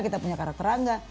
kita punya karakter angga